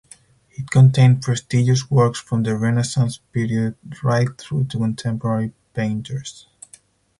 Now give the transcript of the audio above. It contained prestigious works from the Renaissance period right through to contemporary painters.